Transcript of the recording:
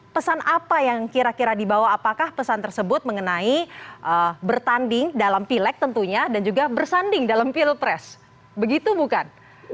pesan apa yang kira kira dibawa apakah pesan tersebut mengenai bertanding dalam pileg tentunya dan juga bersanding dalam pilpres begitu bukan